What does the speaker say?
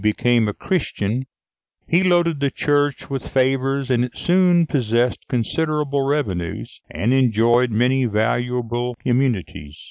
] From the time that Clovis became a Christian, he loaded the Church with favours, and it soon possessed considerable revenues, and enjoyed many valuable immunities.